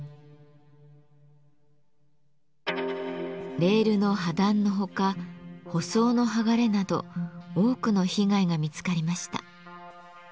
レールの破断のほか舗装の剥がれなど多くの被害が見つかりました。